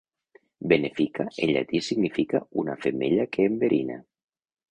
"Venefica" en llatí significa "una femella que enverina".